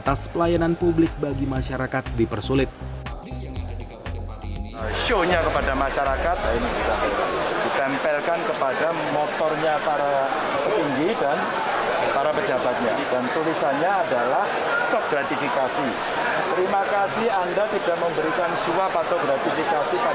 desa bonyu biru kabupaten semarang juga sudah dijadikan desa percontohan